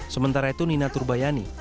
sementara itu nina turbayani